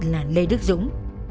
là lê đức dũng